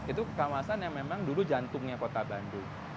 itu kawasan yang memang dulu jantungnya kota bandung